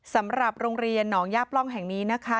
สำหรับโรงเรียนหนองย่าปล้องแห่งนี้นะคะ